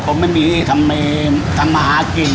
ผมไม่มีที่ทำเลทำมาหากิน